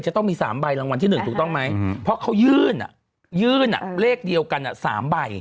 จะต้องมี๓ใบรางวัลที่๑ถูกต้องไหมเพราะเขายื่นยื่นเลขเดียวกัน๓ใบ